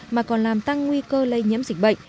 mà còn làm tăng nguy cơ lây nhiễm dịch bệnh